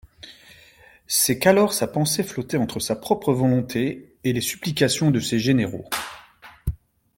C'est qu'alors sa pensée flottait entre sa propre volonté et les supplications de ses généraux.